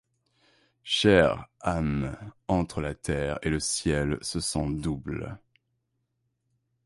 Chair, âme, entre la terre et le ciel se sent double